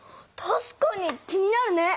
たしかに気になるね！